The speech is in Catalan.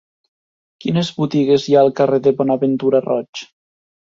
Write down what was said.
Quines botigues hi ha al carrer de Bonaventura Roig?